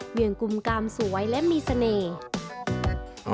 เวียงกุมกรรมสวยและมีเสน่ห์